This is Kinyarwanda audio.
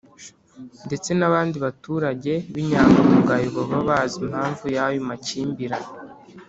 ndetse n’abandi baturage b’inyangamugayo baba bazi impamvu y’ayo makimbirane.